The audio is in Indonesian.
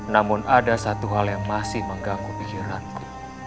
namun ada satu hal yang masih mengganggu pikiranku